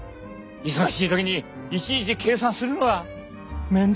忙しい時にいちいち計算するのは面倒